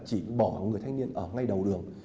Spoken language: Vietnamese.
chỉ bỏ người thanh niên ở ngay đầu đường